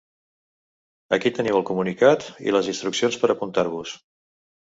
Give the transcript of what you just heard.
Aquí teniu el comunicat i les instruccions per apuntar-vos.